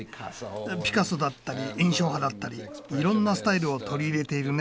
ピカソだったり印象派だったりいろんなスタイルを取り入れているね。